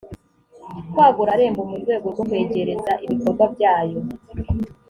kwagura amarembo mu rwego rwo kwegereza ibikorwa byayo